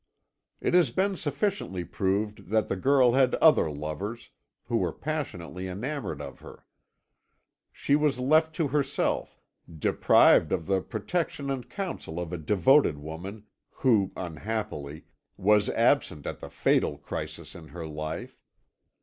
It has been sufficiently proved that the girl had other lovers, who were passionately enamoured of her. She was left to herself, deprived of the protection and counsel of a devoted woman, who, unhappily, was absent at the fatal crisis in her life.